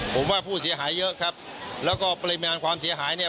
ผมว่าผู้เสียหายเยอะครับแล้วก็ปริมาณความเสียหายเนี่ย